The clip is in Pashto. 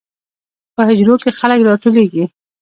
په حجرو کې خلک راټولیږي.